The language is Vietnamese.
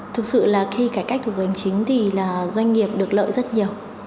thực sự là khi cải cách thủ tục hành chính thì là doanh nghiệp được lợi rất nhiều